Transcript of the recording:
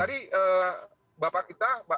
kami tidak bisa memastikan siapa yang melakukan